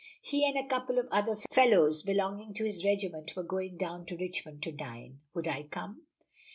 "He and a couple of other fellows belonging to his regiment were going down to Richmond to dine. Would I come?